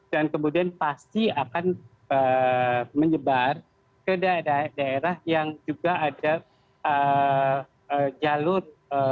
dan kemudian pasti akan menyebar ke daerah daerah yang juga ada jalur